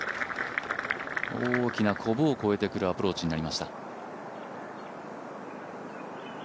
大きなコブを越えてくるアプローチになりました。